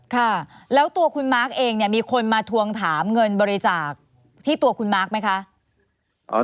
ค่ะแล้วตัวคุณมาร์คเองเนี่ยมีคนมาทวงถามเงินบริจาคที่ตัวคุณมาร์คไหมคะ